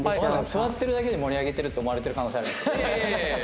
座ってるだけで盛り上げてると思われてる可能性ある。